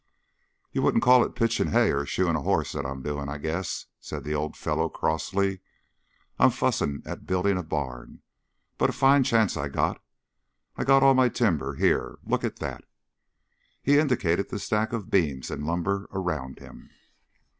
"You wouldn't call it pitching hay or shoeing a hoss that I'm doing, I guess," said the old fellow crossly. "I'm fussing at building a barn, but a fine chance I got. I get all my timber here look at that!" He indicated the stacks of beams and lumber around him.